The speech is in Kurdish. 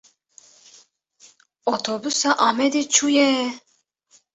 Otobûsa Amedê çûye.